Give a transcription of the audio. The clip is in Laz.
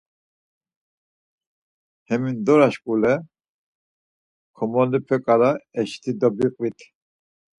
Hemindoraş şǩule komolope ǩala eşiti dobivit.